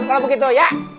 kalau begitu ya